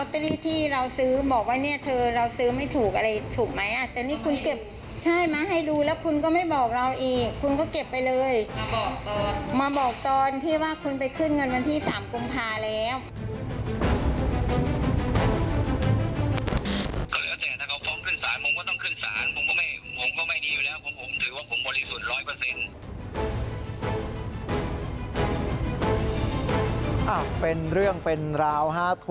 ต้องเอาร็อเตอรี่ที่เราซื้อบอกว่าเธอเราซื้อไม่ถูกอะไรถูกไหมแต่นี่คุณเก็บมาให้ดูแล้วคุณก็ไม่บอกเราอีกคุณก็เก็บไปเลยมาบอกตอนที่ว่าคุณไปขึ้นเงินวันที่๓กุมพาแล้ว